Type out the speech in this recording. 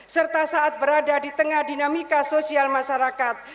serta saat berada di tengah dinamika sosial masyarakat